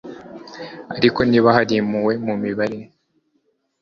ariko niba hari impuhwe mu mibanire